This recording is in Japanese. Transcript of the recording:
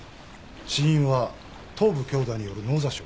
死因は頭部強打による脳挫傷。